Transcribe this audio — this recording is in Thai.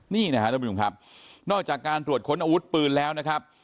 นี่นะครับท่านผู้ชมครับนอกจากการตรวจค้นอาวุธปืนแล้วนะครับ